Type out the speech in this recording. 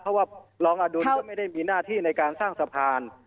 เพราะว่ารองอดุลก็ไม่ได้มีหน้าที่ในการสร้างสะพาน